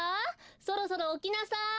そろそろおきなさい！